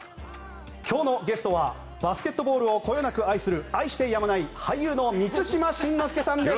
今日のゲストはバスケットボールをこよなく愛する愛してやまない俳優の満島真之介さんです。